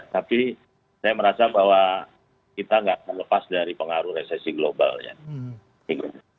tapi saya merasa bahwa kita nggak akan lepas dari pengaruh resesi global ya